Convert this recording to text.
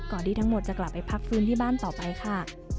ที่ทั้งหมดจะกลับไปพักฟื้นที่บ้านต่อไปค่ะ